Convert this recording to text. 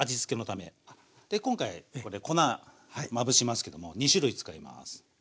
で今回これ粉まぶしますけども２種類使います。